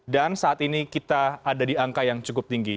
saat ini kita ada di angka yang cukup tinggi